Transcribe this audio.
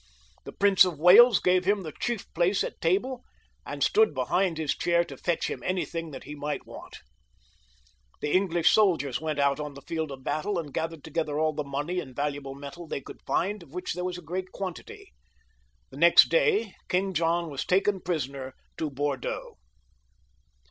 The Prince of Wales gave him the chief place at table, and stood behind his chair to fetch him anything that he might want The English soldiers went out on the field of battle, and gathered together all the money and valuable metal they could find, of which there was a great quantity. The next day King John was taken prisoner to Bordeaux.